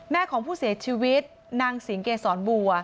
ของผู้เสียชีวิตนางสิงเกษรบัว